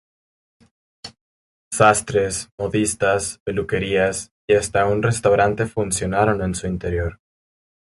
Sastres, modistas, peluquerías y hasta un restaurante funcionaron en su interior.